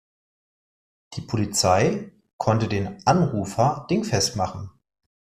Die Polizei konnte den Anrufer dingfest machen.